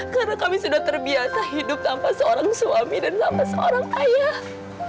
karena kami sudah terbiasa hidup tanpa seorang suami dan tanpa seorang ayah